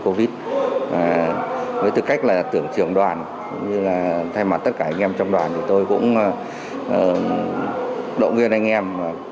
covid với tư cách là tưởng trường đoàn thay mặt tất cả anh em trong đoàn tôi cũng động viên anh em